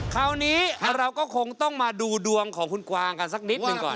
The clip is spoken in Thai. คราวนี้เราก็คงต้องมาดูดวงของคุณกวางกันสักนิดหนึ่งก่อน